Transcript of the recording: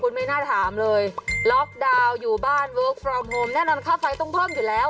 คุณไม่น่าถามเลยล็อกดาวน์อยู่บ้านเวิร์คฟอร์มโฮมแน่นอนค่าไฟต้องเพิ่มอยู่แล้ว